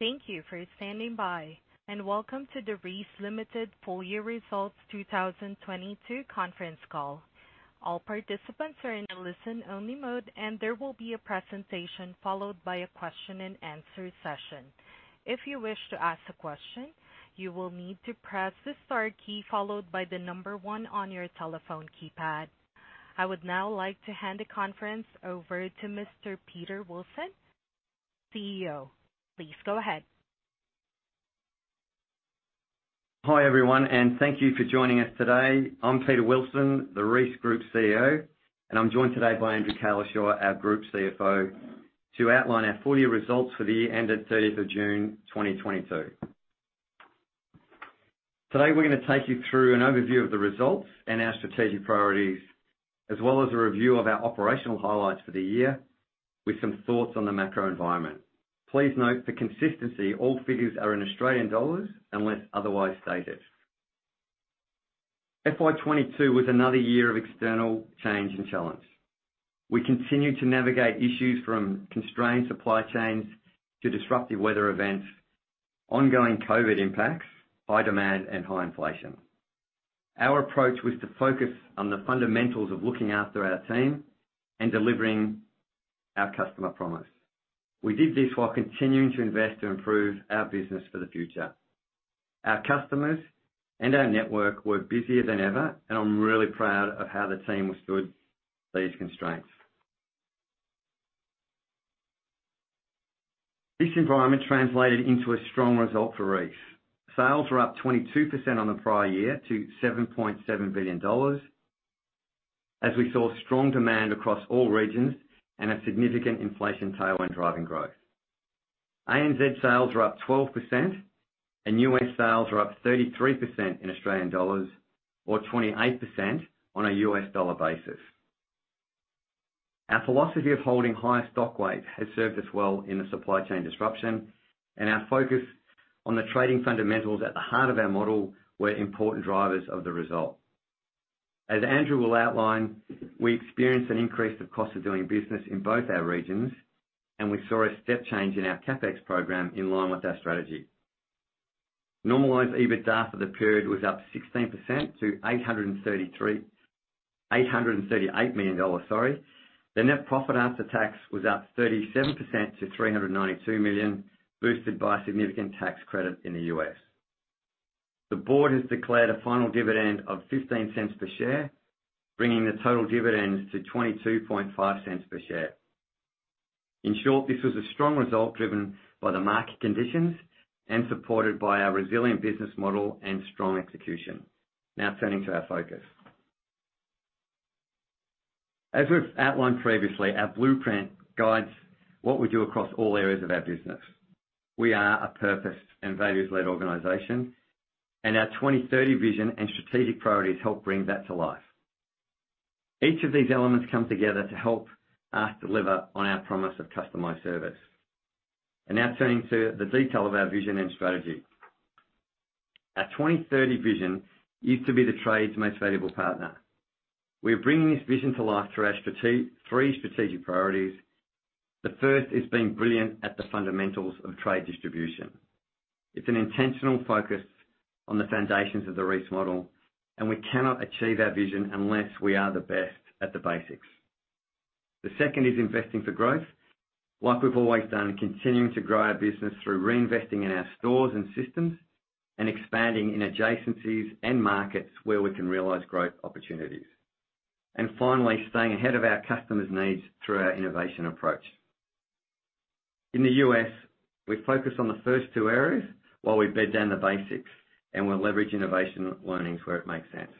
Thank you for standing by, and welcome to the Reece Limited full year results 2022 conference call. All participants are in a listen-only mode, and there will be a presentation followed by a question-and-answer session. If you wish to ask a question, you will need to press the star key followed by the number one on your telephone keypad. I would now like to hand the conference over to Mr. Peter Wilson, CEO. Please go ahead. Hi, everyone, and thank you for joining us today. I'm Peter Wilson, the Reece Group CEO, and I'm joined today by Andrew Cowlishaw, our Group CFO, to outline our full year results for the end of June 30th, 2022. Today we're gonna take you through an overview of the results and our strategic priorities, as well as a review of our operational highlights for the year with some thoughts on the macro environment. Please note for consistency, all figures are in Australian dollars unless otherwise stated. FY 2022 was another year of external change and challenge. We continued to navigate issues from constrained supply chains to disruptive weather events, ongoing COVID impacts, high demand, and high inflation. Our approach was to focus on the fundamentals of looking after our team and delivering our customer promise. We did this while continuing to invest to improve our business for the future. Our customers and our network were busier than ever, and I'm really proud of how the team withstood these constraints. This environment translated into a strong result for Reece. Sales were up 22% on the prior year to 7.7 billion dollars as we saw strong demand across all regions and a significant inflation tailwind driving growth. ANZ sales were up 12% and U.S. sales were up 33% in Australian dollars or 28% on a U.S. dollar basis. Our philosophy of holding higher stock weight has served us well in the supply chain disruption, and our focus on the trading fundamentals at the heart of our model were important drivers of the result. As Andrew will outline, we experienced an increase of cost of doing business in both our regions, and we saw a step change in our CapEx program in line with our strategy. Normalized EBITDA for the period was up 16% to 838 million dollars, sorry. The net profit after tax was up 37% to 392 million, boosted by significant tax credit in the U.S. The board has declared a final dividend of 0.15 per share, bringing the total dividends to 0.225 per share. In short, this was a strong result driven by the market conditions and supported by our resilient business model and strong execution. Now turning to our focus. As we've outlined previously, our blueprint guides what we do across all areas of our business. We are a purpose and values-led organization, and our 2030 Vision and strategic priorities help bring that to life. Each of these elements come together to help us deliver on our promise of customized service. Now turning to the detail of our vision and strategy. Our 2030 Vision is to be the trade's most valuable partner. We're bringing this vision to life through our three strategic priorities. The first is being brilliant at the fundamentals of trade distribution. It's an intentional focus on the foundations of the Reece model, and we cannot achieve our vision unless we are the best at the basics. The second is investing for growth. Like we've always done, continuing to grow our business through reinvesting in our stores and systems and expanding in adjacencies and markets where we can realize growth opportunities. Finally, staying ahead of our customers' needs through our innovation approach. In the U.S., we focus on the first two areas while we bed down the basics, and we'll leverage innovation learnings where it makes sense.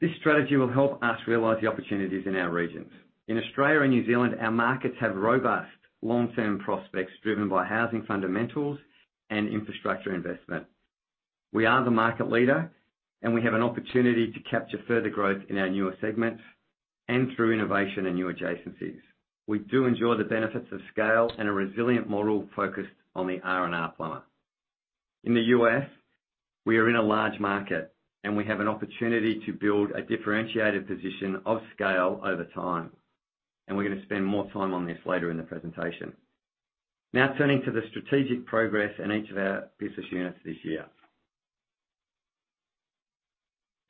This strategy will help us realize the opportunities in our regions. In Australia and New Zealand, our markets have robust long-term prospects driven by housing fundamentals and infrastructure investment. We are the market leader, and we have an opportunity to capture further growth in our newer segments and through innovation and new adjacencies. We do enjoy the benefits of scale and a resilient model focused on the R&R plumber. In the U.S., we are in a large market, and we have an opportunity to build a differentiated position of scale over time, and we're gonna spend more time on this later in the presentation. Now turning to the strategic progress in each of our business units this year.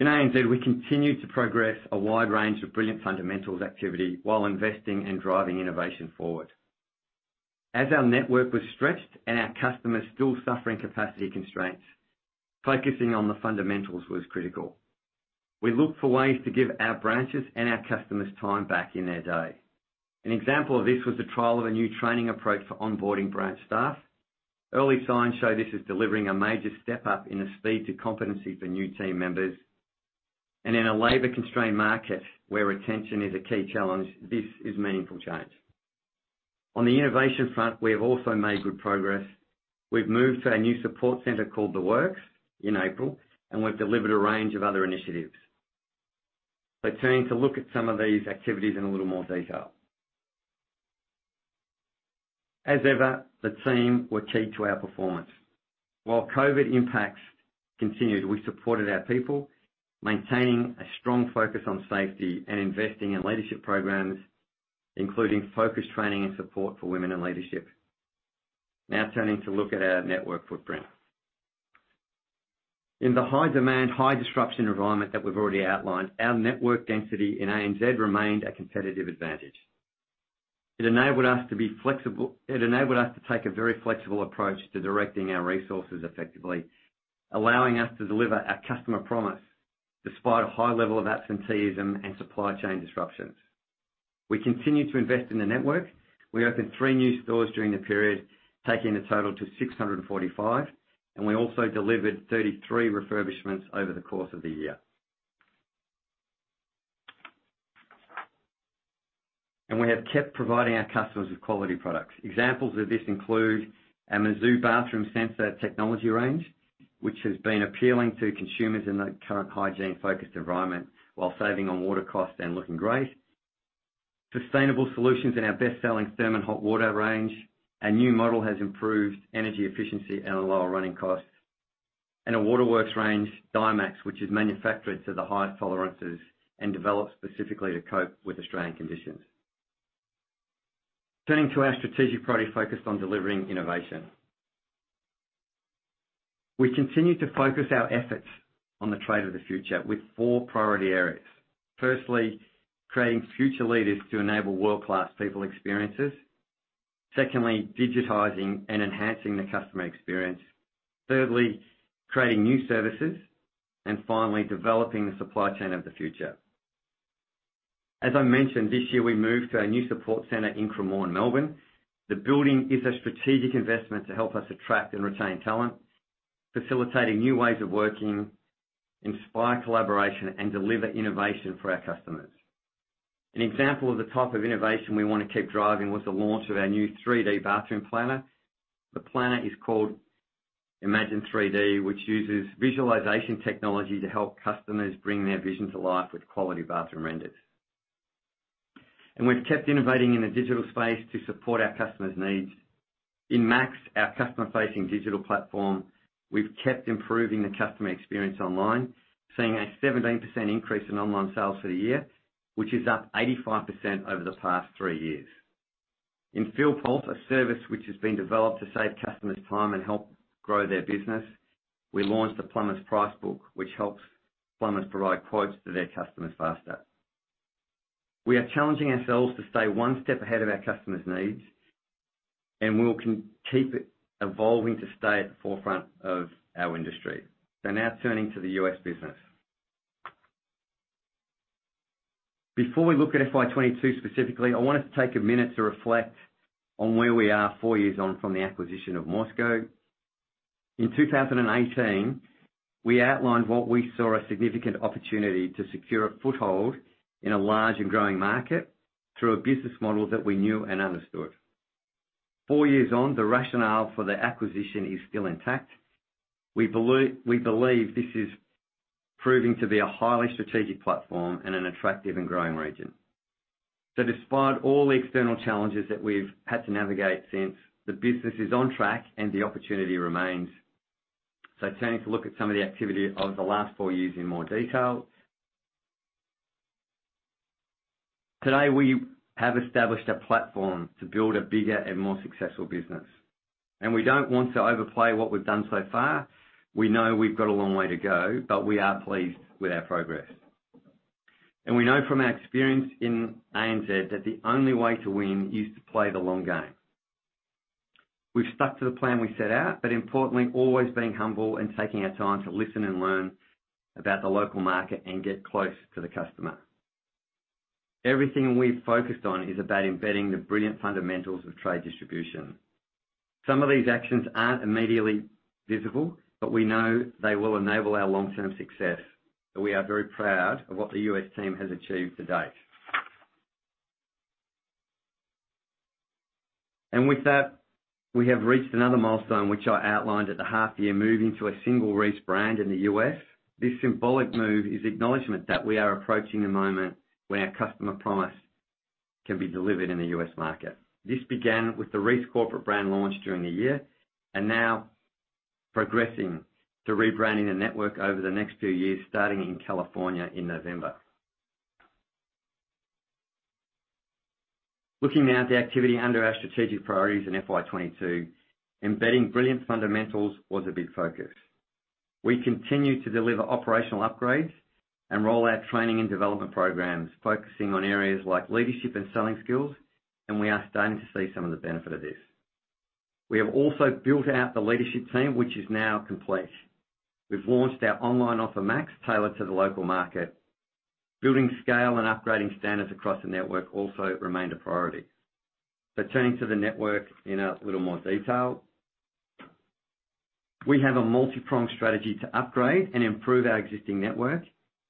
In ANZ, we continued to progress a wide range of brilliant fundamentals activity while investing and driving innovation forward. As our network was stretched and our customers still suffering capacity constraints, focusing on the fundamentals was critical. We looked for ways to give our branches and our customers time back in their day. An example of this was the trial of a new training approach for onboarding branch staff. Early signs show this is delivering a major step up in the speed to competency for new team members. In a labor-constrained market where retention is a key challenge, this is meaningful change. On the innovation front, we have also made good progress. We've moved to a new support center called The Works in April, and we've delivered a range of other initiatives. Turning to look at some of these activities in a little more detail. As ever, the team were key to our performance. While COVID impacts continued, we supported our people, maintaining a strong focus on safety and investing in leadership programs, including focus training and support for women in leadership. Now turning to look at our network footprint. In the high demand, high disruption environment that we've already outlined, our network density in ANZ remained a competitive advantage. It enabled us to take a very flexible approach to directing our resources effectively, allowing us to deliver our customer promise despite a high level of absenteeism and supply chain disruptions. We continued to invest in the network. We opened three new stores during the period, taking the total to 645, and we also delivered 33 refurbishments over the course of the year. We have kept providing our customers with quality products. Examples of this include our Mizu bathroom sensor technology range, which has been appealing to consumers in the current hygiene-focused environment while saving on water costs and looking great. Sustainable solutions in our best-selling Thermann hot water range. Our new model has improved energy efficiency and lower running costs. Our Waterworks range, DIMAX, which is manufactured to the highest tolerances and developed specifically to cope with Australian conditions. Turning to our strategic priority focused on delivering innovation. We continue to focus our efforts on the trade of the future with four priority areas. Firstly, creating future leaders to enable world-class people experiences. Secondly, digitizing and enhancing the customer experience. Thirdly, creating new services, and finally, developing the supply chain of the future. As I mentioned, this year, we moved to our new support center in Cremorne, Melbourne. The building is a strategic investment to help us attract and retain talent, facilitating new ways of working, inspire collaboration, and deliver innovation for our customers. An example of the type of innovation we wanna keep driving was the launch of our new 3D bathroom planner. The planner is called Imagin3D, which uses visualization technology to help customers bring their vision to life with quality bathroom renders. We've kept innovating in the digital space to support our customers' needs. In maX, our customer-facing digital platform, we've kept improving the customer experience online, seeing a 17% increase in online sales for the year, which is up 85% over the past three years. In FieldPulse, a service which has been developed to save customers time and help grow their business, we launched the Plumbers' Price Book, which helps plumbers provide quotes to their customers faster. We are challenging ourselves to stay one step ahead of our customers' needs, and we'll keep evolving to stay at the forefront of our industry. Now turning to the U.S. business. Before we look at FY 2022 specifically, I wanted to take a minute to reflect on where we are four years on from the acquisition of MORSCO. In 2018, we outlined what we saw as a significant opportunity to secure a foothold in a large and growing market through a business model that we knew and understood. Four years on, the rationale for the acquisition is still intact. We believe this is proving to be a highly strategic platform in an attractive and growing region. Despite all the external challenges that we've had to navigate since, the business is on track and the opportunity remains. Turning to look at some of the activity of the last four years in more detail. Today, we have established a platform to build a bigger and more successful business. We don't want to overplay what we've done so far. We know we've got a long way to go, but we are pleased with our progress. We know from our experience in ANZ that the only way to win is to play the long game. We've stuck to the plan we set out, but importantly, always being humble and taking our time to listen and learn about the local market and get close to the customer. Everything we've focused on is about embedding the brilliant fundamentals of trade distribution. Some of these actions aren't immediately visible, but we know they will enable our long-term success, and we are very proud of what the U.S. team has achieved to date. With that, we have reached another milestone which I outlined at the half year moving to a single Reece brand in the U.S. This symbolic move is acknowledgment that we are approaching a moment when our customer promise can be delivered in the U.S. market. This began with the Reece corporate brand launch during the year and now progressing to rebranding the network over the next few years, starting in California in November. Looking now at the activity under our strategic priorities in FY 2022, embedding brilliant fundamentals was a big focus. We continue to deliver operational upgrades and roll out training and development programs, focusing on areas like leadership and selling skills, and we are starting to see some of the benefit of this. We have also built out the leadership team, which is now complete. We've launched our online offer, maX, tailored to the local market. Building scale and upgrading standards across the network also remained a priority. Turning to the network in a little more detail. We have a multipronged strategy to upgrade and improve our existing network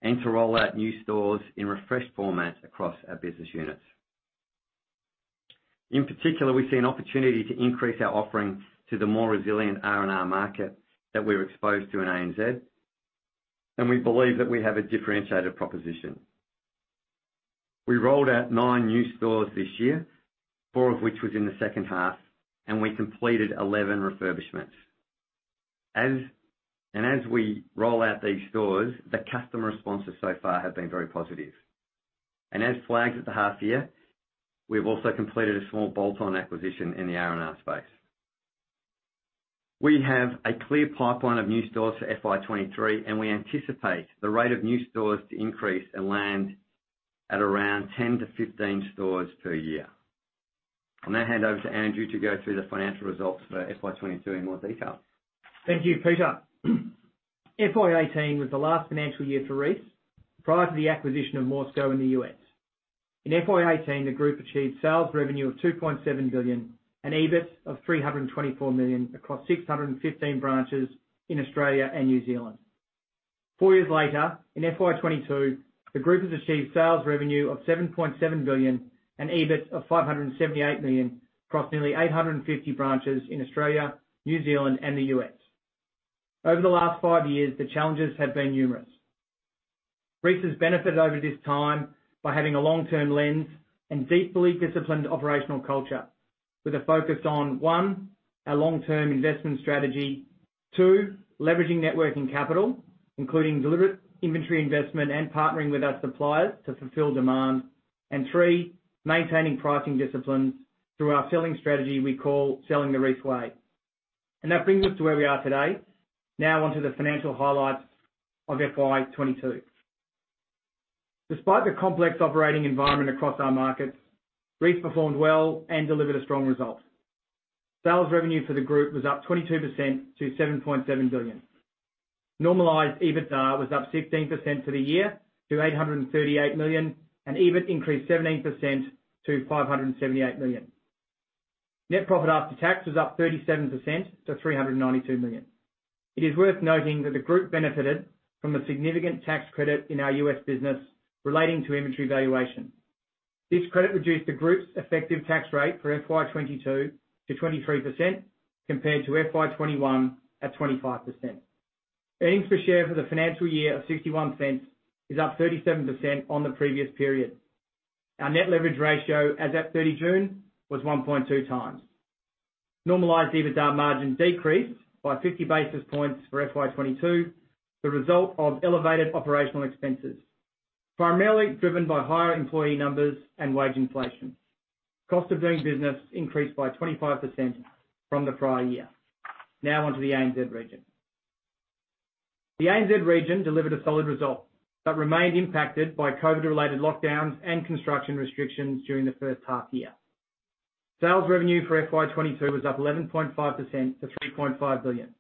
and to roll out new stores in refreshed formats across our business units. In particular, we see an opportunity to increase our offering to the more resilient R&R market that we're exposed to in ANZ, and we believe that we have a differentiated proposition. We rolled out nine new stores this year, four of which was in the second half, and we completed 11 refurbishments. As we roll out these stores, the customer responses so far have been very positive. As flagged at the half year, we have also completed a small bolt-on acquisition in the R&R space. We have a clear pipeline of new stores for FY 2023, and we anticipate the rate of new stores to increase and land at around 10-15 stores per year. I'm gonna hand over to Andrew to go through the financial results for FY 2022 in more detail. Thank you, Peter. FY 2018 was the last financial year for Reece prior to the acquisition of MORSCO in the U.S. In FY 2018, the Group achieved sales revenue of 2.7 billion and EBIT of 324 million across 615 branches in Australia and New Zealand. Four years later, in FY 2022, the Group has achieved sales revenue of 7.7 billion and EBIT of 578 million across nearly 850 branches in Australia, New Zealand, and the U.S. Over the last five years, the challenges have been numerous. Reece has benefited over this time by having a long-term lens and deeply disciplined operational culture with a focus on, one, a long-term investment strategy. Two, leveraging net working capital, including deliberate inventory investment and partnering with our suppliers to fulfill demand. Three, maintaining pricing disciplines through our selling strategy we call Selling the Reece Way. That brings us to where we are today. Now onto the financial highlights of FY 2022. Despite the complex operating environment across our markets, Reece performed well and delivered a strong result. Sales revenue for the Group was up 22% to 7.7 billion. Normalized EBITDA was up 16% for the year to 838 million, and EBIT increased 17% to 578 million. Net profit after tax was up 37% to 392 million. It is worth noting that the Group benefited from the significant tax credit in our U.S. business relating to inventory valuation. This credit reduced the Group's effective tax rate for FY 2022 to 23% compared to FY 2021 at 25%. Earnings per share for the financial year of 0.61 is up 37% on the previous period. Our net leverage ratio as at June 30, 2022 was 1.2x. Normalized EBITDA margin decreased by 50 basis points for FY 2022, the result of elevated operational expenses, primarily driven by higher employee numbers and wage inflation. Cost of doing business increased by 25% from the prior year. Now onto the ANZ region. The ANZ region delivered a solid result, but remained impacted by COVID-related lockdowns and construction restrictions during the first half year. Sales revenue for FY 2022 was up 11.5% to 3.5 billion.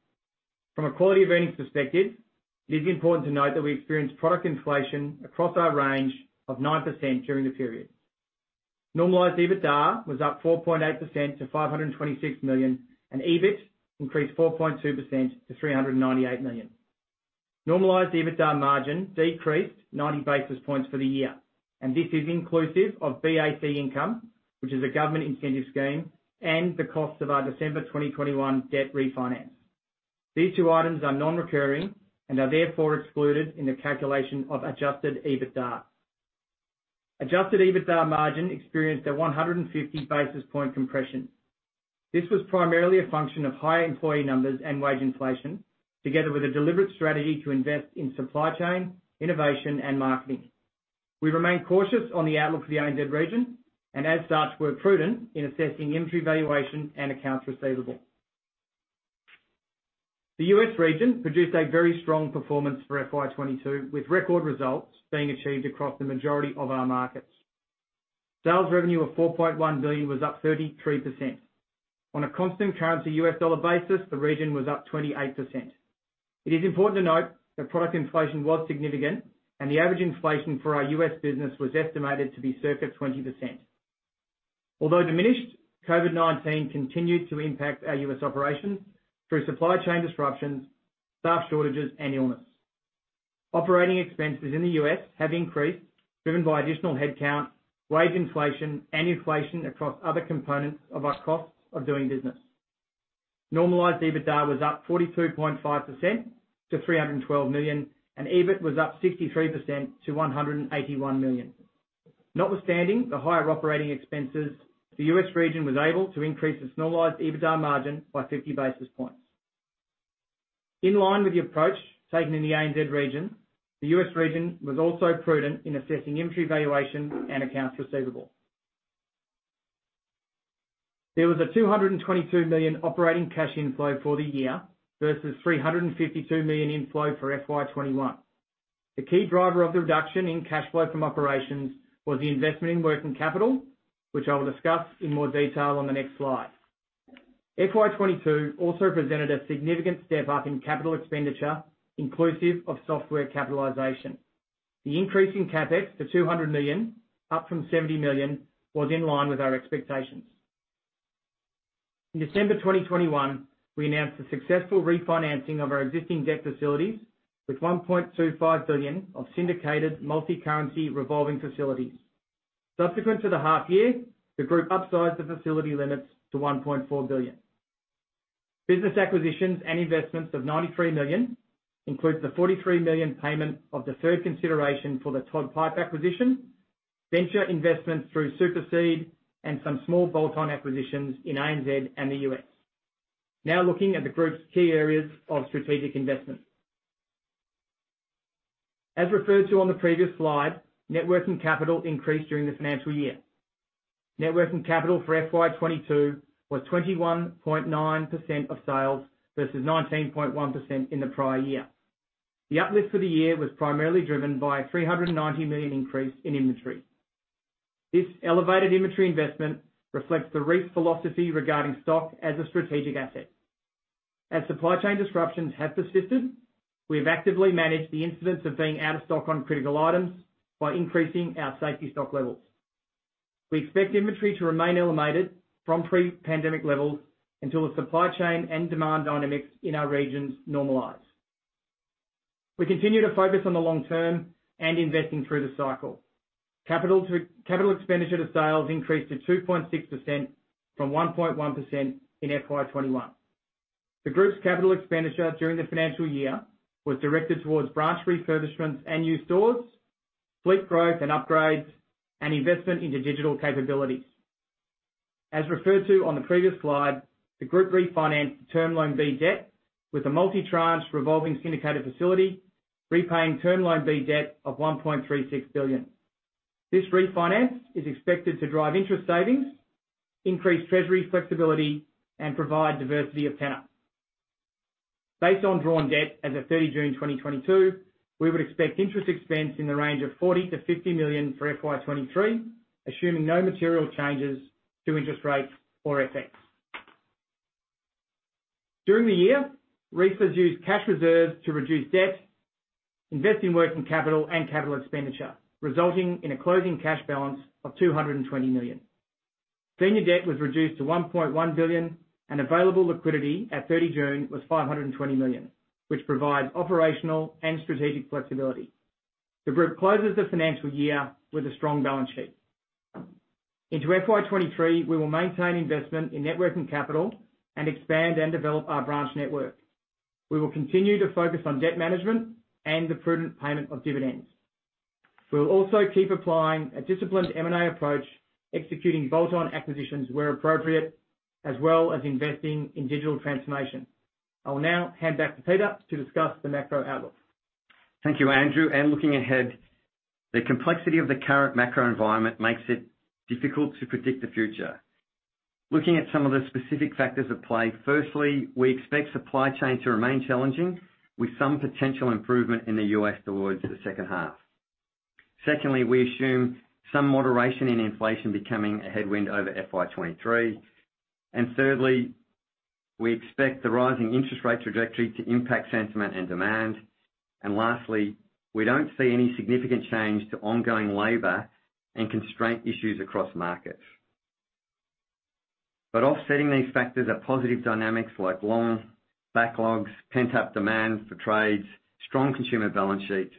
From a quality of earnings perspective, it is important to note that we experienced product inflation across our range of 9% during the period. Normalized EBITDA was up 4.8% to 526 million, and EBIT increased 4.2% to 398 million. Normalized EBITDA margin decreased 90 basis points for the year, and this is inclusive of BAC income, which is a government incentive scheme, and the cost of our December 2021 debt refinance. These two items are non-recurring and are therefore excluded in the calculation of Adjusted EBITDA. Adjusted EBITDA margin experienced a 150 basis point compression. This was primarily a function of higher employee numbers and wage inflation, together with a deliberate strategy to invest in supply chain, innovation, and marketing. We remain cautious on the outlook for the ANZ region, and as such, we're prudent in assessing inventory valuation and accounts receivable. The U.S. region produced a very strong performance for FY 2022, with record results being achieved across the majority of our markets. Sales revenue of 4.1 billion was up 33%. On a constant currency U.S. dollar basis, the region was up 28%. It is important to note that product inflation was significant and the average inflation for our U.S. business was estimated to be circa 20%. Although diminished, COVID-19 continued to impact our U.S. operations through supply chain disruptions, staff shortages, and illness. Operating expenses in the U.S. have increased, driven by additional headcount, wage inflation, and inflation across other components of our costs of doing business. Normalized EBITDA was up 42.5% to 312 million, and EBIT was up 63% to 181 million. Notwithstanding the higher operating expenses, the U.S. region was able to increase its normalized EBITDA margin by 50 basis points. In line with the approach taken in the ANZ region, the U.S. region was also prudent in assessing inventory valuation and accounts receivable. There was an 222 million operating cash inflow for the year versus an 352 million inflow for FY 2021. The key driver of the reduction in cash flow from operations was the investment in working capital, which I will discuss in more detail on the next slide. FY 2022 also presented a significant step up in capital expenditure, inclusive of software capitalization. The increase in CapEx to 200 million, up from 70 million, was in line with our expectations. In December 2021, we announced the successful refinancing of our existing debt facilities with 1.25 billion of syndicated multi-currency revolving facilities. Subsequent to the half year, the Group upsized the facility limits to 1.4 billion. Business acquisitions and investments of 93 million includes the 43 million payment of the third consideration for the Todd Pipe & Supply acquisition, venture investments through Superseed, and some small bolt-on acquisitions in ANZ and the U.S. Now looking at the Group's key areas of strategic investment. As referred to on the previous slide, net working capital increased during the financial year. Net working capital for FY 2022 was 21.9% of sales versus 19.1% in the prior year. The uplift for the year was primarily driven by a 390 million increase in inventory. This elevated inventory investment reflects the Reece philosophy regarding stock as a strategic asset. As supply chain disruptions have persisted, we have actively managed the incidence of being out of stock on critical items by increasing our safety stock levels. We expect inventory to remain elevated from pre-pandemic levels until the supply chain and demand dynamics in our regions normalize. We continue to focus on the long term and investing through the cycle. Capital expenditure to sales increased to 2.6% from 1.1% in FY 2021. The Group's capital expenditure during the financial year was directed towards branch refurbishments and new stores, fleet growth and upgrades, and investment into digital capabilities. As referred to on the previous slide, the Group refinanced Term Loan B debt with a multi-tranche revolving syndicated facility, repaying Term Loan B debt of 1.36 billion. This refinance is expected to drive interest savings, increase treasury flexibility, and provide diversity of tenor. Based on drawn debt as of June 30 2022, we would expect interest expense in the range of 40 million-50 million for FY 2023, assuming no material changes to interest rates or FX. During the year, Reece has used cash reserves to reduce debt, invest in working capital and capital expenditure, resulting in a closing cash balance of 220 million. Senior debt was reduced to 1.1 billion, and available liquidity at June 30, 2022 was 520 million, which provides operational and strategic flexibility. The Group closes the financial year with a strong balance sheet. Into FY 2023, we will maintain investment in net working capital and expand and develop our branch network. We will continue to focus on debt management and the prudent payment of dividends. We'll also keep applying a disciplined M&A approach, executing bolt-on acquisitions where appropriate, as well as investing in digital transformation. I will now hand back to Peter to discuss the macro outlook. Thank you, Andrew. Looking ahead, the complexity of the current macro environment makes it difficult to predict the future. Looking at some of the specific factors at play, firstly, we expect supply chain to remain challenging, with some potential improvement in the U.S. towards the second half. Secondly, we assume some moderation in inflation becoming a headwind over FY 2023. Thirdly, we expect the rising interest rate trajectory to impact sentiment and demand. Lastly, we don't see any significant change to ongoing labor and constraint issues across markets. Offsetting these factors are positive dynamics like long backlogs, pent-up demand for trades, strong consumer balance sheets,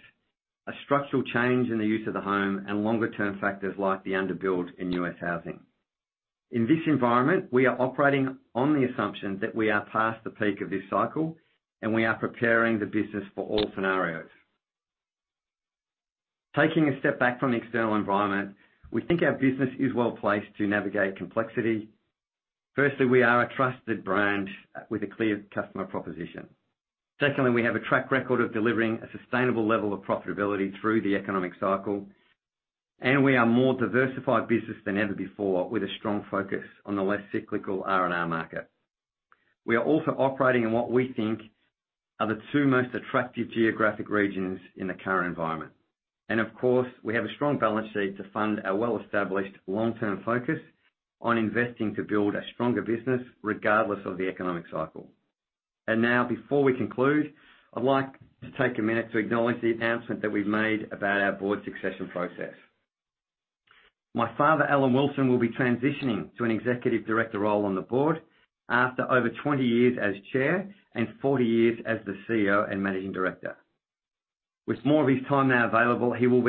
a structural change in the use of the home, and longer-term factors like the under-build in U.S. housing. In this environment, we are operating on the assumption that we are past the peak of this cycle, and we are preparing the business for all scenarios. Taking a step back from the external environment, we think our business is well-placed to navigate complexity. Firstly, we are a trusted brand with a clear customer proposition. Secondly, we have a track record of delivering a sustainable level of profitability through the economic cycle, and we are a more diversified business than ever before, with a strong focus on the less cyclical R&R market. We are also operating in what we think are the two most attractive geographic regions in the current environment. Of course, we have a strong balance sheet to fund our well-established long-term focus on investing to build a stronger business regardless of the economic cycle. Now, before we conclude, I'd like to take a minute to acknowledge the announcement that we've made about our board succession process. My father, Alan Wilson, will be transitioning to an Executive Director role on the board after over 20 years as Chair and 40 years as the CEO and Managing Director. With more of his time now available, he will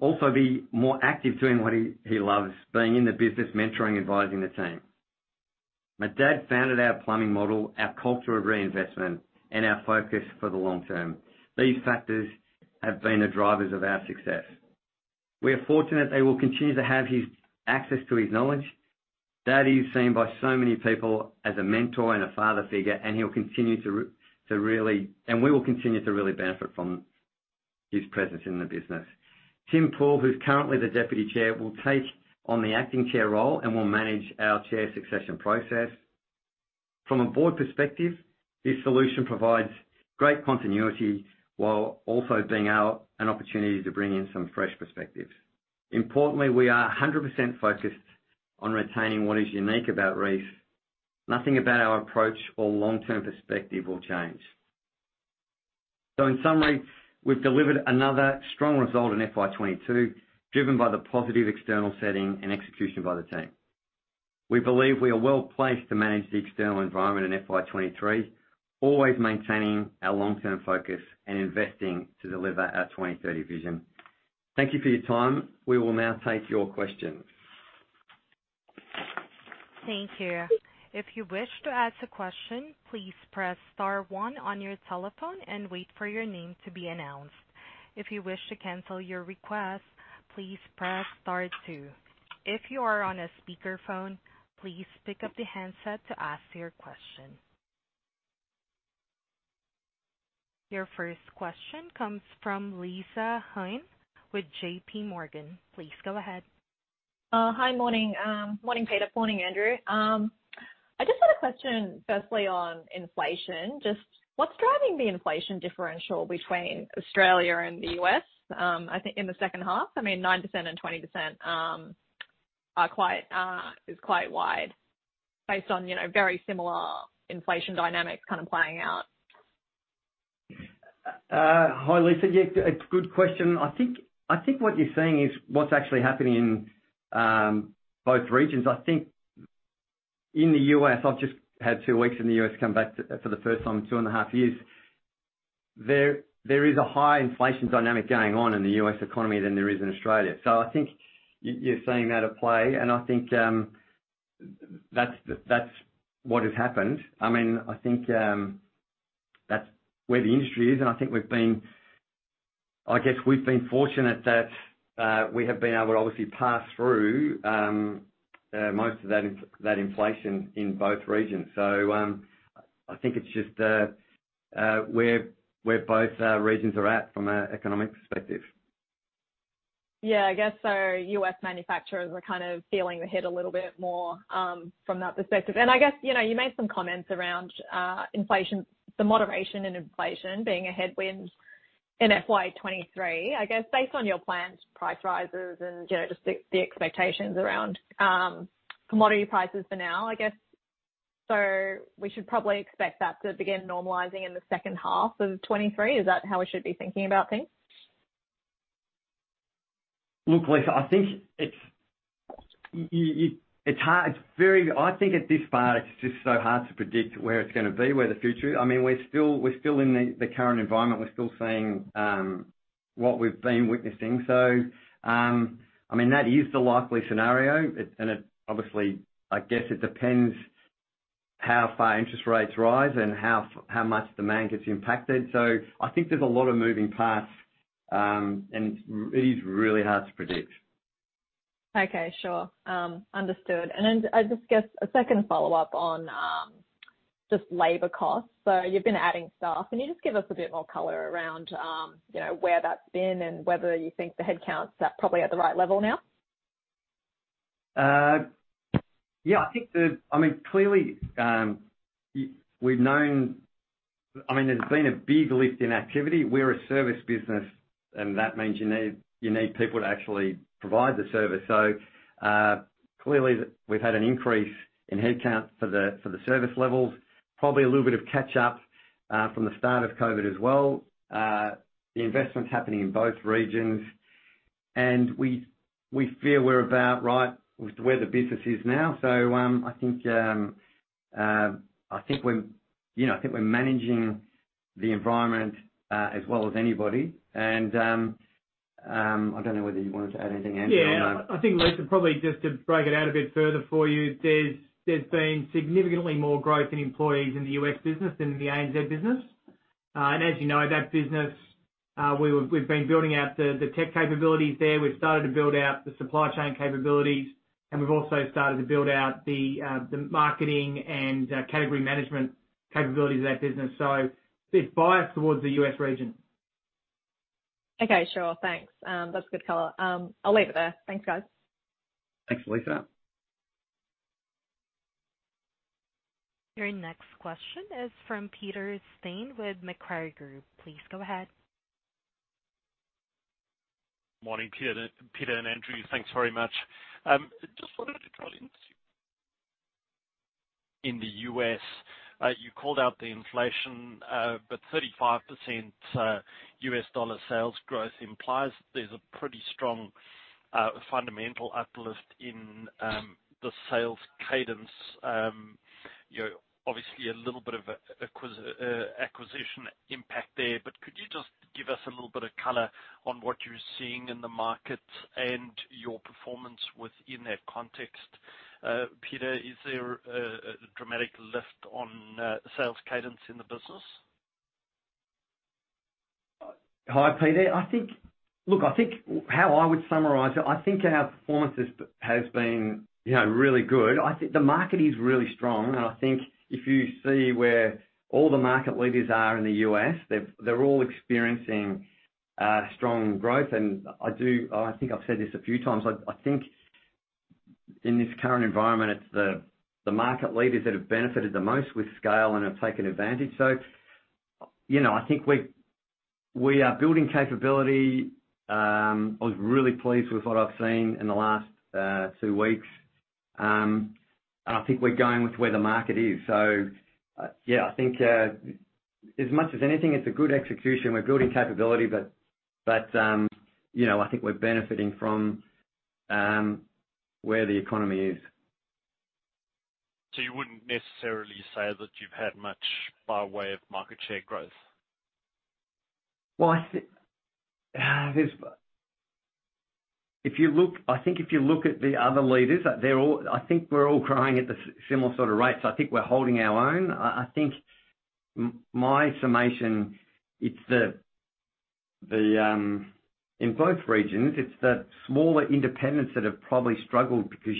also be more active doing what he loves, being in the business, mentoring, advising the team. My dad founded our plumbing model, our culture of reinvestment, and our focus for the long term. These factors have been the drivers of our success. We are fortunate that we'll continue to have his access to his knowledge. Dad is seen by so many people as a mentor and a father figure, and he'll continue to really benefit from his presence in the business. Tim Poole, who's currently the Deputy Chair, will take on the Acting Chair role and will manage our chair succession process. From a board perspective, this solution provides great continuity while also being an opportunity to bring in some fresh perspectives. Importantly, we are 100% focused on retaining what is unique about Reece. Nothing about our approach or long-term perspective will change. In summary, we've delivered another strong result in FY 2022, driven by the positive external setting and execution by the team. We believe we are well-placed to manage the external environment in FY 2023, always maintaining our long-term focus and investing to deliver our 2030 Vision. Thank you for your time. We will now take your questions. Thank you. If you wish to ask a question, please press star one on your telephone and wait for your name to be announced. If you wish to cancel your request, please press star two. If you are on a speakerphone, please pick up the handset to ask your question. Your first question comes from Lisa Hines with JPMorgan. Please go ahead. Hi. Morning. Morning, Peter. Morning, Andrew. I just had a question, firstly on inflation, just what's driving the inflation differential between Australia and the U.S., I think in the second half? I mean, 9% and 20% is quite wide based on, you know, very similar inflation dynamics kind of playing out. Hi, Lisa. Yeah, it's a good question. I think what you're seeing is what's actually happening in both regions. I think in the U.S., I've just had two weeks in the U.S. to come back to for the first time in two and a half years. There is higher inflation dynamic going on in the U.S. economy than there is in Australia. I think you're seeing that at play and I think that's what has happened. I mean, I think that's where the industry is, and I think we've been fortunate that we have been able to obviously pass through most of that inflation in both regions. I think it's just where both regions are at from an economic perspective. Yeah, I guess so U.S. manufacturers are kind of feeling the hit a little bit more, from that perspective. I guess, you know, you made some comments around, inflation, the moderation in inflation being a headwind in FY 2023. I guess, based on your plans, price rises and, you know, just the expectations around, commodity prices for now, I guess. We should probably expect that to begin normalizing in the second half of 2023. Is that how we should be thinking about things? Look, Lisa, I think it's hard. It's very hard. I think at this part, it's just so hard to predict where it's gonna be, where the future. I mean, we're still in the current environment. We're still seeing what we've been witnessing. I mean, that is the likely scenario, and it obviously, I guess, depends how far interest rates rise and how much demand gets impacted. I think there's a lot of moving parts, and it is really hard to predict. Okay. Sure. Understood. I just guess a second follow-up on, just labor costs. You've been adding staff. Can you just give us a bit more color around, you know, where that's been and whether you think the headcount's at probably the right level now? Yeah. I think. I mean, clearly, we've known. I mean, there's been a big lift in activity. We're a service business, and that means you need people to actually provide the service. Clearly we've had an increase in headcount for the service levels. Probably a little bit of catch up from the start of COVID as well. The investments happening in both regions. We feel we're about right with where the business is now. I think, you know, we're managing the environment as well as anybody. I don't know whether you wanted to add anything, Andrew. Yeah. I think, Lisa, probably just to break it out a bit further for you, there's been significantly more growth in employees in the U.S. business than in the ANZ business. As you know, that business, we've been building out the tech capabilities there. We've started to build out the supply chain capabilities, and we've also started to build out the marketing and category management capabilities of that business. A bit biased towards the U.S. region. Okay. Sure. Thanks. That's a good color. I'll leave it there. Thanks, guys. Thanks, Lisa. Your next question is from Peter Steyn with Macquarie Group. Please go ahead. Morning, Peter and Andrew. Thanks very much. Just wanted to drill into the U.S. You called out the inflation, but 35% U.S. dollar sales growth implies there's a pretty strong fundamental uplift in the sales cadence. You know, obviously a little bit of acquisition impact there, but could you just give us a little bit of color on what you're seeing in the market and your performance within that context? Peter, is there a dramatic lift on sales cadence in the business? Hi, Peter. Look, I think how I would summarize it, I think our performance has been, you know, really good. I think the market is really strong, and I think if you see where all the market leaders are in the U.S., they're all experiencing strong growth. I do, I think I've said this a few times. I think in this current environment, it's the market leaders that have benefited the most with scale and have taken advantage. You know, I think we are building capability. I was really pleased with what I've seen in the last two weeks. I think we're going with where the market is. Yeah, I think, as much as anything, it's a good execution. We're building capability, but you know, I think we're benefiting from where the economy is. You wouldn't necessarily say that you've had much by way of market share growth? Well, I think if you look at the other leaders, they're all, I think, we're all growing at the similar sort of rates. I think we're holding our own. I think, in my estimation, in both regions, it's the smaller independents that have probably struggled because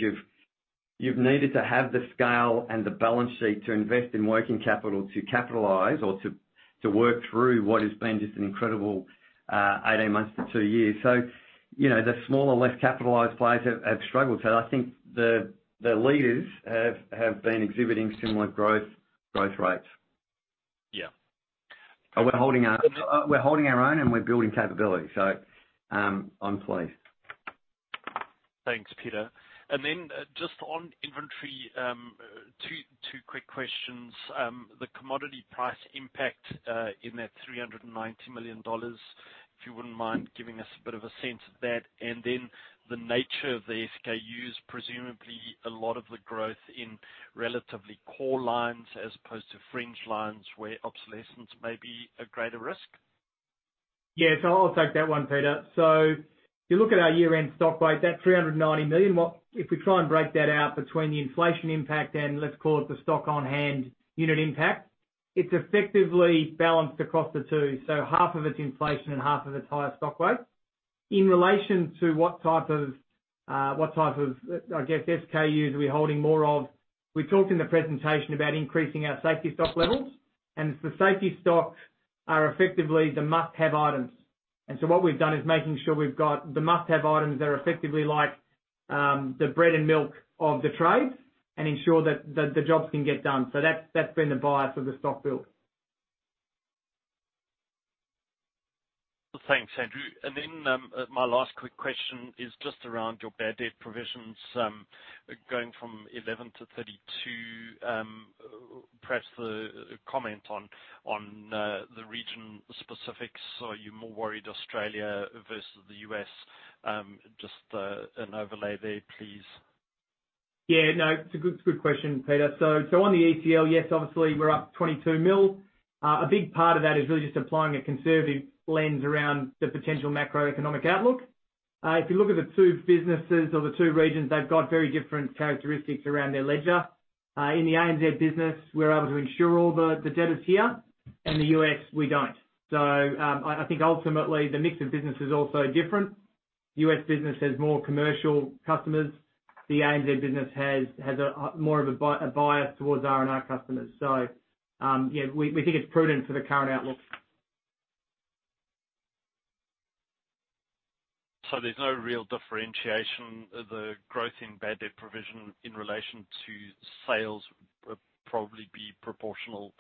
you've needed to have the scale and the balance sheet to invest in working capital to capitalize or to work through what has been just an incredible 18 months to two years. You know, the smaller, less capitalized players have struggled. I think the leaders have been exhibiting similar growth rates. Yeah. We're holding our own, and we're building capability. I'm pleased. Thanks, Peter. Just on inventory, two quick questions. The commodity price impact in that 390 million dollars, if you wouldn't mind giving us a bit of a sense of that, and then the nature of the SKUs, presumably a lot of the growth in relatively core lines as opposed to fringe lines where obsolescence may be a greater risk. I'll take that one, Peter. If you look at our year-end stock buy, that 390 million, what if we try and break that out between the inflation impact and let's call it the stock on hand unit impact, it's effectively balanced across the two. Half of it's inflation and half of it's higher stock rates. In relation to what type of, what type of, I guess, SKUs are we holding more of, we talked in the presentation about increasing our safety stock levels, and the safety stock are effectively the must-have items. What we've done is making sure we've got the must-have items that are effectively like, the bread and milk of the trades and ensure that the jobs can get done. That's been the bias of the stock build. Thanks, Andrew. My last quick question is just around your bad debt provisions, going from 11 million-32 million, perhaps the comment on the region specifics. Are you more worried Australia versus the U.S.? Just an overlay there, please. Yeah. No, it's a good question, Peter. On the ECL, yes, obviously we're up 22 million. A big part of that is really just applying a conservative lens around the potential macroeconomic outlook. If you look at the two businesses or the two regions, they've got very different characteristics around their ledger. In the ANZ business, we're able to insure all the debtors here. In the U.S., we don't. I think ultimately the mix of business is also different. U.S. business has more commercial customers. The ANZ business has a more of a bias towards R&R customers. We think it's prudent for the current outlook. There's no real differentiation. The growth in bad debt provision in relation to sales would probably be proportional,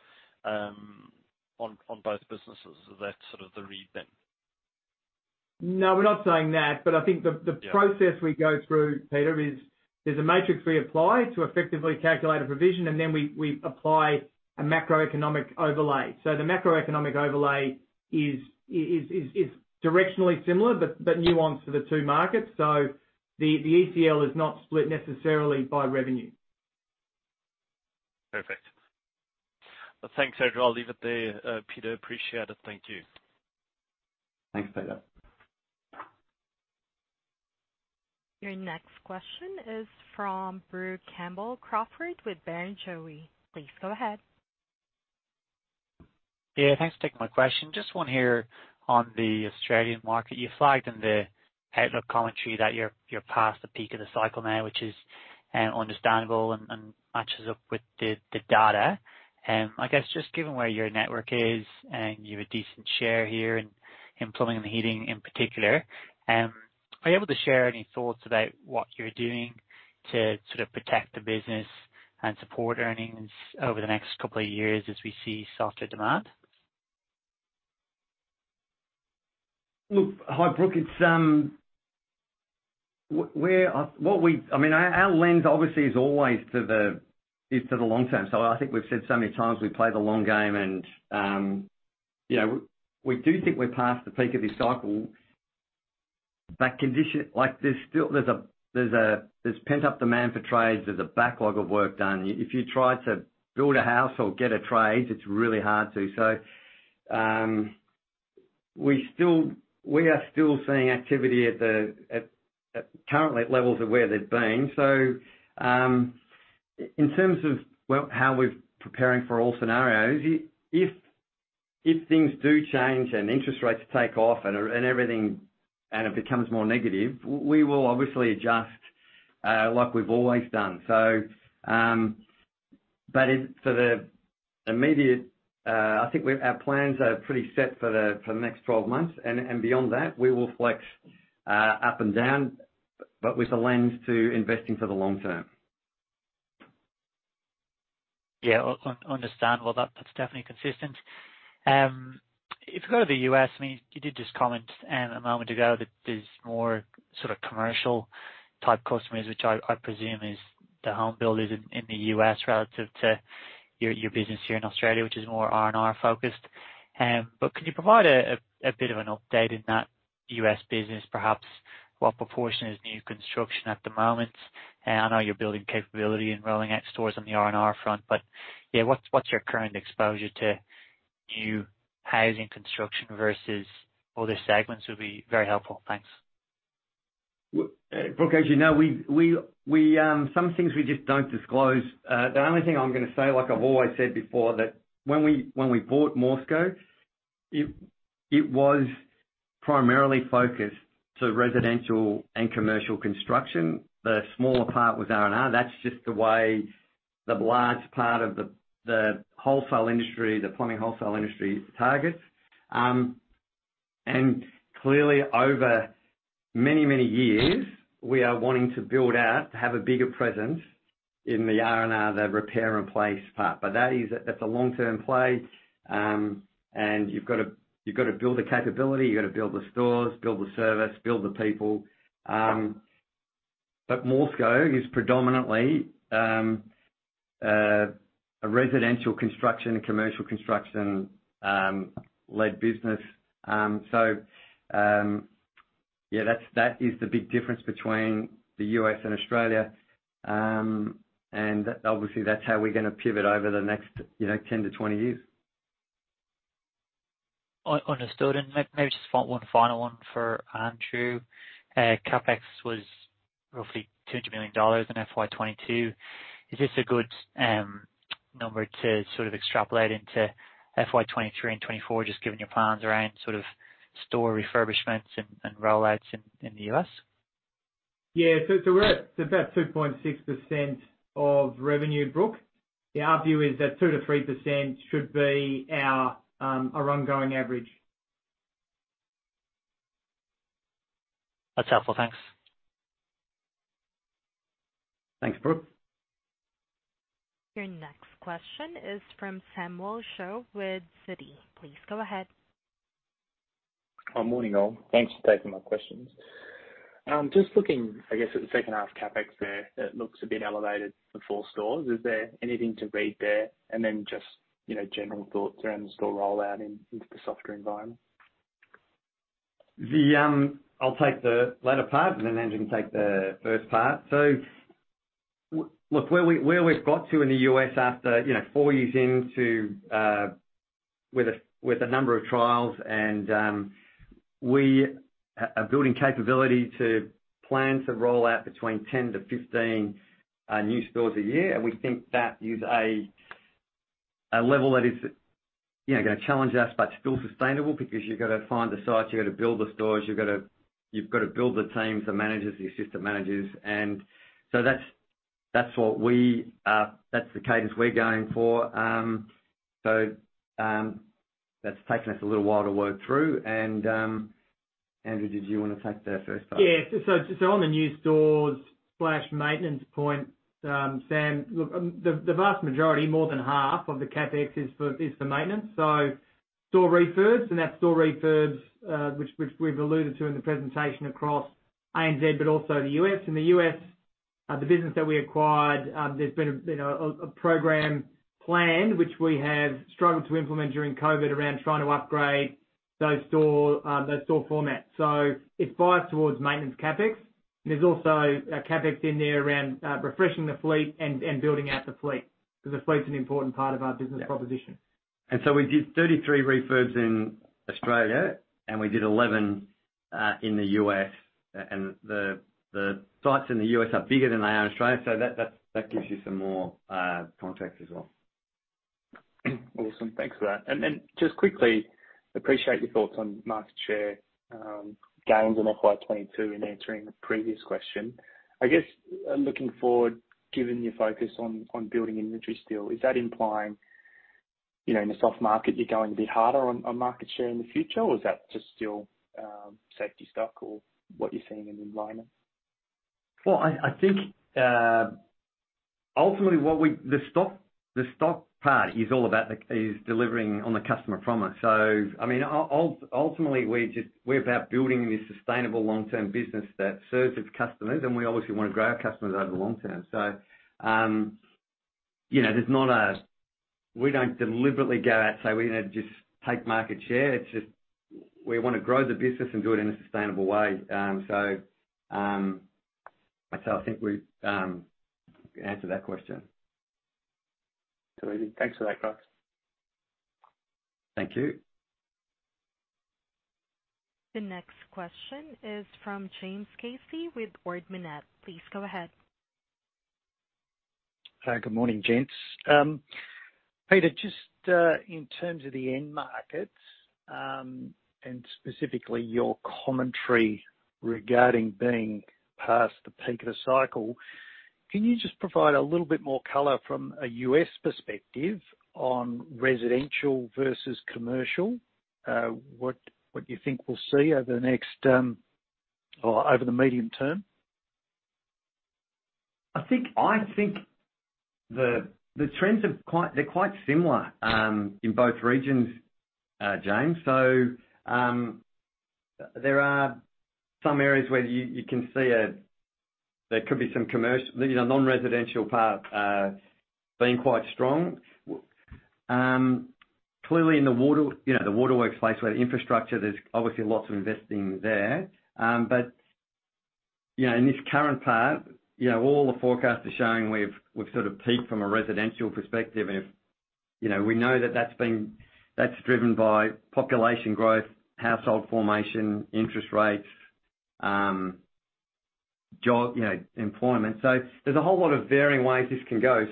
on both businesses. Is that sort of the read, then? No, we're not saying that, but I think. Yeah. The process we go through, Peter, is there's a matrix we apply to effectively calculate a provision, and then we apply a macroeconomic overlay. The macroeconomic overlay is directionally similar but nuanced for the two markets. The ECL is not split necessarily by revenue. Perfect. Thanks, Andrew. I'll leave it there. Peter, appreciate it. Thank you. Thanks, Peter. Your next question is from Brook Campbell-Crawford with Barrenjoey. Please go ahead. Yeah, thanks for taking my question. Just one here on the Australian market. You flagged in the outlook commentary that you're past the peak of the cycle now, which is understandable and matches up with the data. I guess just given where your network is and you have a decent share here in plumbing and heating in particular, are you able to share any thoughts about what you're doing to sort of protect the business and support earnings over the next couple of years as we see softer demand? Look, hi, Brooke. I mean, our lens obviously is always to the long term. I think we've said so many times we play the long game and, you know, we do think we're past the peak of this cycle. Like, there's still pent-up demand for trades, there's a backlog of work done. If you try to build a house or get a trade, it's really hard to. We are still seeing activity currently at levels of where they've been. In terms of, well, how we're preparing for all scenarios, if things do change and interest rates take off and everything and it becomes more negative, we will obviously adjust, like we've always done. For the immediate, I think our plans are pretty set for the next 12 months. Beyond that, we will flex up and down, but with a lens to investing for the long term. Yeah. Understandable. That's definitely consistent. If you go to the U.S., I mean, you did just comment a moment ago that there's more sort of commercial type customers, which I presume is the home builders in the U.S. relative to your business here in Australia, which is more R&R focused. But could you provide a bit of an update in that U.S. business perhaps? What proportion is new construction at the moment? And I know you're building capability and rolling out stores on the R&R front, but yeah, what's your current exposure to new housing construction versus other segments would be very helpful. Thanks. Well, Brooke, as you know, some things we just don't disclose. The only thing I'm gonna say, like I've always said before, that when we bought MORSCO, it was primarily focused to residential and commercial construction. The smaller part was R&R. That's just the way the large part of the wholesale industry, the plumbing wholesale industry targets. Clearly over many years, we are wanting to build out to have a bigger presence in the R&R, the repair and replace part, but that is a long-term play. You've gotta build the capability, you've gotta build the stores, build the service, build the people. But MORSCO is predominantly a residential construction and commercial construction led business. That is the big difference between the U.S. and Australia. Obviously that's how we're gonna pivot over the next, you know, 10-20 years. Understood. Maybe just one final one for Andrew. CapEx was roughly 200 million dollars in FY 2022. Is this a good number to sort of extrapolate into FY 2023 and 2024, just given your plans around sort of store refurbishments and rollouts in the U.S.? Yeah. We're at about 2.6% of revenue, Brook. Our view is that 2%-3% should be our ongoing average. That's helpful. Thanks. Thanks, Brook. Your next question is from Samuel Seow with Citi. Please go ahead. Morning, all. Thanks for taking my questions. Just looking, I guess at the second half CapEx there, it looks a bit elevated for full stores. Is there anything to read there? Just, you know, general thoughts around the store rollout in, into the softer environment. I'll take the latter part and then Andrew can take the first part. Look, where we've got to in the U.S. after, you know, four years into with a number of trials and we are building capability to plan to roll out between 10-15 new stores a year. We think that is a level that is, you know, gonna challenge us, but still sustainable because you've gotta find the sites, you've gotta build the stores, you've gotta build the teams, the managers, the assistant managers. That's what we're going for. That's taken us a little while to work through. Andrew, did you wanna take the first part? On the new stores/maintenance point, Sam, look, the vast majority, more than half of the CapEx is for maintenance. Store refurbs, that's store refurbs, which we've alluded to in the presentation across ANZ, but also the U.S. In the U.S., the business that we acquired, there's been a program planned, which we have struggled to implement during COVID around trying to upgrade those store formats. It biases towards maintenance CapEx. There's also a CapEx in there around refreshing the fleet and building out the fleet, 'cause the fleet's an important part of our business proposition. We did 33 refurbs in Australia and we did 11 in the U.S. The sites in the U.S. are bigger than they are in Australia. That gives you some more context as well. Awesome. Thanks for that. Just quickly, appreciate your thoughts on market share gains in FY 2022 in answering the previous question. I guess looking forward, given your focus on building inventory still, is that implying, you know, in a soft market you're going a bit harder on market share in the future? Or is that just still safety stock or what you're seeing in the environment? Well, I think ultimately the stock part is all about delivering on the customer promise. I mean, ultimately we're about building this sustainable long-term business that serves its customers, and we obviously wanna grow our customers over the long term. You know, we don't deliberately go out, say we're gonna just take market share. It's just we wanna grow the business and do it in a sustainable way. That's how I think we've answered that question. Absolutely. Thanks for that, guys. Thank you. The next question is from James Casey with Ord Minnett. Please go ahead. Good morning, gents. Peter, just in terms of the end markets, and specifically your commentary regarding being past the peak of the cycle, can you just provide a little bit more color from a U.S. perspective on residential versus commercial? What you think we'll see over the next, or over the medium term? I think the trends are quite similar in both regions, James. There are some areas where you can see there could be some commercial, you know, non-residential part being quite strong. Clearly in the Waterworks, you know, the Waterworks where the infrastructure, there's obviously lots of investing there. But yeah, in the residential part, you know, all the forecasts are showing we've sort of peaked from a residential perspective. You know, we know that that's been driven by population growth, household formation, interest rates, jobs, you know, employment. There's a whole lot of varying ways this can go.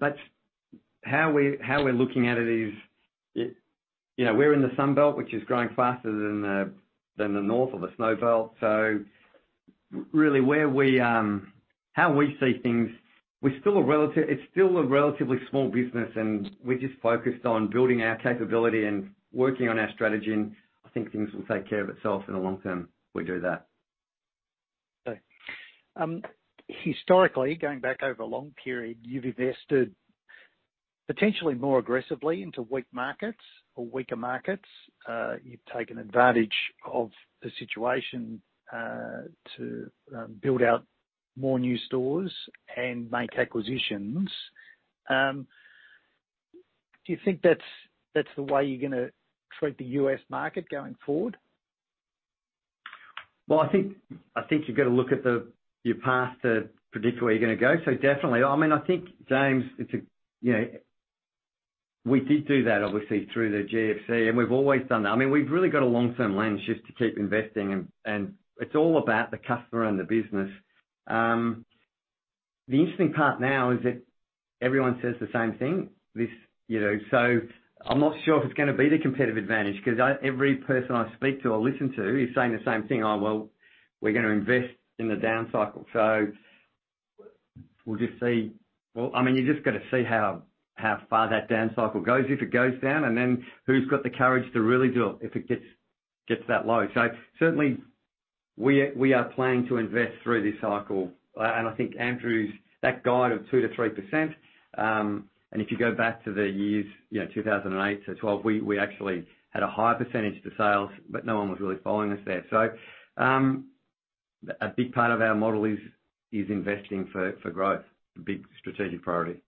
But how we're looking at it is, you know, we're in the Sun Belt, which is growing faster than the North or the Snow Belt. Really, how we see things, it's still a relatively small business, and we're just focused on building our capability and working on our strategy. I think things will take care of itself in the long term if we do that. Okay. Historically, going back over a long period, you've invested potentially more aggressively into weak markets or weaker markets. You've taken advantage of the situation to build out more new stores and make acquisitions. Do you think that's the way you're gonna treat the U.S. market going forward? I think you've got to look at your past to predict where you're gonna go. Definitely. I mean, I think, James, it's a, you know, we did do that, obviously, through the GFC, and we've always done that. I mean, we've really got a long-term lens just to keep investing and it's all about the customer and the business. The interesting part now is that everyone says the same thing this, you know. I'm not sure if it's gonna be the competitive advantage 'cause I, every person I speak to or listen to is saying the same thing. "Oh, well, we're gonna invest in the down cycle." We'll just see. Well, I mean, you just got to see how far that down cycle goes. If it goes down, and then who's got the courage to really do it if it gets that low. Certainly we are planning to invest through this cycle. I think Andrew's that guide of 2%-3%. If you go back to the years, you know, 2008-2012, we actually had a higher percentage for sales, but no one was really following us there. A big part of our model is investing for growth, a big strategic priority.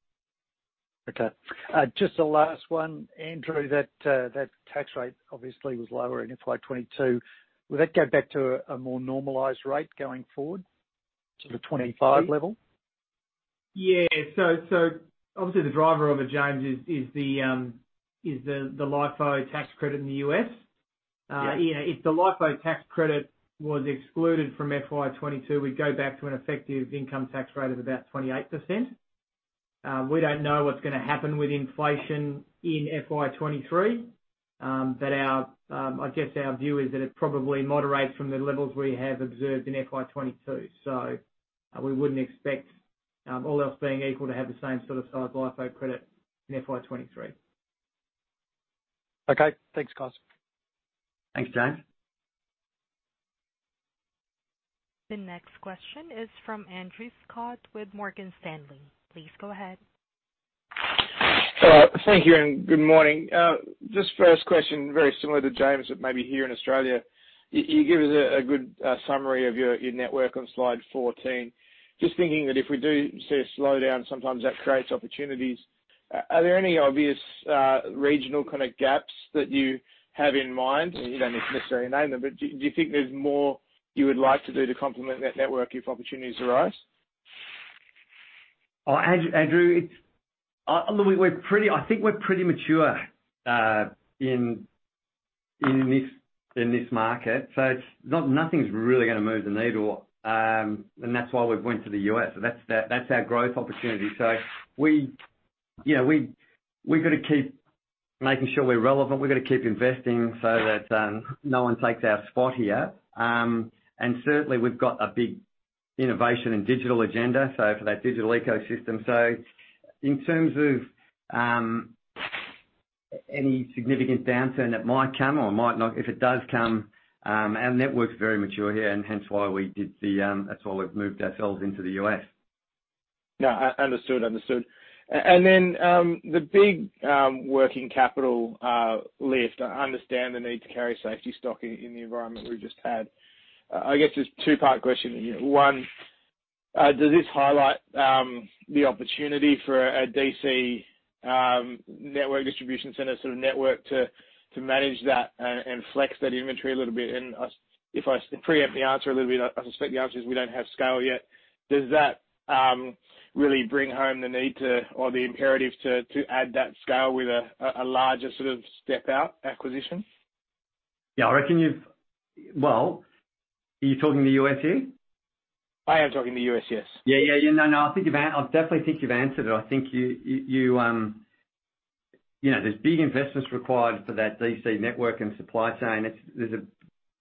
Just the last one. Andrew, that tax rate obviously was lower in FY 2022. Will that go back to a more normalized rate going forward to the 25% level? Yeah. Obviously the driver of it, James, is the LIFO tax credit in the U.S. Yeah. If the LIFO tax credit was excluded from FY 2022, we'd go back to an effective income tax rate of about 28%. We don't know what's gonna happen with inflation in FY 2023. Our, I guess our view is that it probably moderates from the levels we have observed in FY 2022. We wouldn't expect, all else being equal, to have the same sort of size LIFO credit in FY 2023. Okay. Thanks, guys. Thanks, James. The next question is from Andrew Scott with Morgan Stanley. Please go ahead. Thank you and good morning. Just first question, very similar to James, but maybe here in Australia, you give us a good summary of your network on slide 14. Just thinking that if we do see a slowdown, sometimes that creates opportunities. Are there any obvious regional kind of gaps that you have in mind? You don't need to necessarily name them, but do you think there's more you would like to do to complement that network if opportunities arise? Oh, Andrew, I think we're pretty mature in this market. Nothing's really gonna move the needle. That's why we went to the U.S. That's our growth opportunity. You know, we've got to keep making sure we're relevant. We've got to keep investing so that no one takes our spot here. Certainly we've got a big innovation and digital agenda for that digital ecosystem. In terms of any significant downturn that might come or might not, if it does come, our network's very mature here and hence why we've moved ourselves into the U.S. No, understood. Then the big working capital lift, I understand the need to carry safety stock in the environment we've just had. I guess it's two-part question. One, does this highlight the opportunity for a DC network, distribution center sort of network to manage that and flex that inventory a little bit? If I preempt the answer a little bit, I suspect the answer is we don't have scale yet. Does that really bring home the need to, or the imperative to, add that scale with a larger sort of step-out acquisition? Yeah. I reckon. Well, are you talking the U.S. here? I am talking about the U.S., yes. Yeah, yeah. No, no, I definitely think you've answered it. I think you know, there's big investments required for that DC network and supply chain. There's a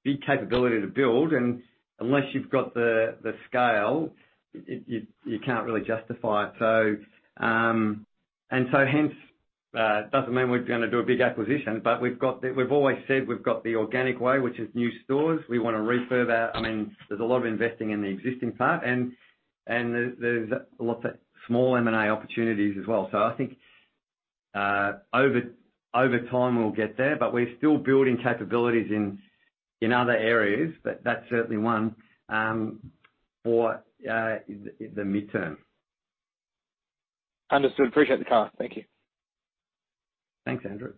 big capability to build, and unless you've got the scale, you can't really justify it. It doesn't mean we're gonna do a big acquisition, but we've always said we've got the organic way, which is new stores. I mean, there's a lot of investing in the existing part, and there's lots of small M&A opportunities as well. I think over time we'll get there, but we're still building capabilities in other areas. That's certainly one for the midterm. Understood. Appreciate the call. Thank you. Thanks, Andrew.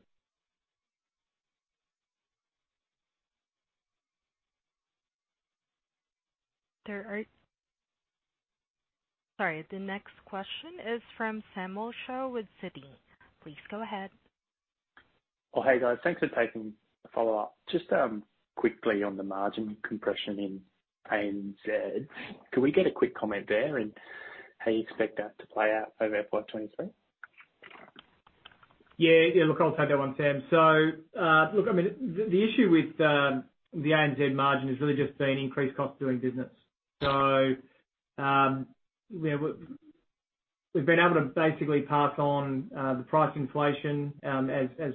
Sorry, the next question is from Samuel Seow with Citi. Please go ahead. Oh, hey, guys. Thanks for taking the follow-up. Just quickly on the margin compression in ANZ. Could we get a quick comment there and how you expect that to play out over FY 2023? Yeah, yeah, look, I'll take that one, Sam. Look, I mean, the issue with the ANZ margin has really just been increased cost of doing business. We've been able to basically pass on the price inflation, as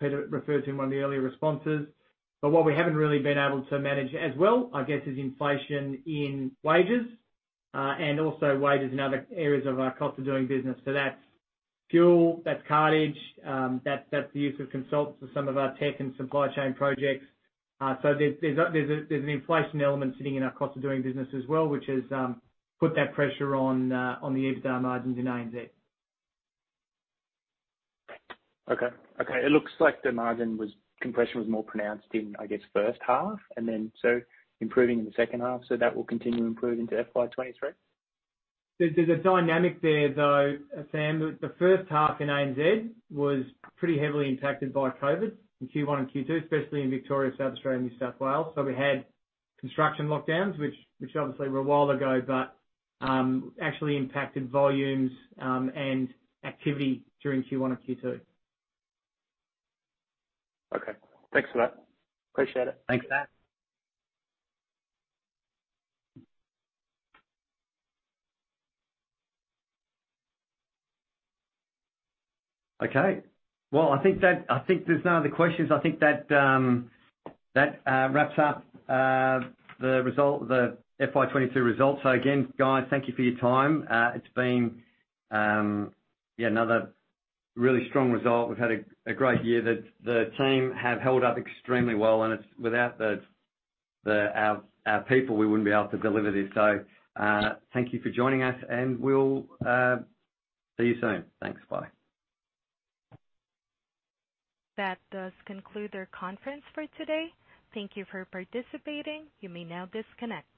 Peter referred to in one of the earlier responses. What we haven't really been able to manage as well, I guess, is inflation in wages and also in other areas of our cost of doing business. That's fuel, that's cartage, that's the use of consultants for some of our tech and supply chain projects. There's an inflation element sitting in our cost of doing business as well, which has put that pressure on the EBITDA margins in ANZ. Compression was more pronounced in, I guess, first half and then so improving in the second half. That will continue to improve into FY 2023? There's a dynamic there, though, Sam. The first half in ANZ was pretty heavily impacted by COVID in Q1 and Q2, especially in Victoria, South Australia, and New South Wales. We had construction lockdowns, which obviously were a while ago, but actually impacted volumes and activity during Q1 and Q2. Okay. Thanks for that. Appreciate it. Thanks. Okay. Well, I think there's no other questions. I think that wraps up the FY 2022 results. Again, guys, thank you for your time. It's been yeah, another really strong result. We've had a great year. The team have held up extremely well, and it's without our people, we wouldn't be able to deliver this. Thank you for joining us, and we'll see you soon. Thanks. Bye. That does conclude our conference for today. Thank you for participating. You may now disconnect.